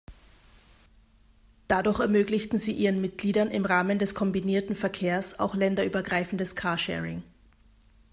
Dadurch ermöglichten sie ihren Mitgliedern im Rahmen des kombinierten Verkehrs auch länderübergreifendes Carsharing.